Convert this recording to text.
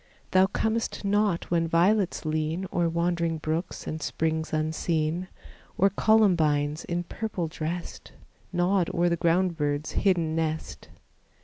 Thou comest not when violets lean O'er wandering brooks and springs unseen, Or columbines in purple dressed, Nod o'er the ground bird's hidden nest.